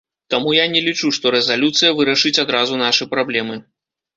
Таму я не лічу, што рэзалюцыя вырашыць адразу нашы праблемы.